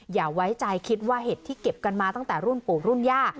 อย่าไว้ใจคิดว่าเห็ดที่เก็บกันมาตั้งแต่รุ่นปู่รุ่นย่า